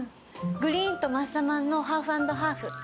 グリーンとマサマンのハーフ＆ハーフ。